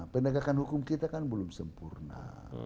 penegakan hukum kita kan belum sempurna